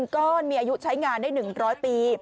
ก้อนมีอายุใช้งานได้๑๐๐ปี